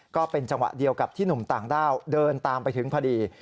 ก็เป็นจังหวะเดียวกับที่หนุ่มต่างด้าวเดินตามไปถึงพอดี